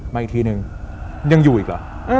มาอีกทีนึงยังอยู่อีกเหรอ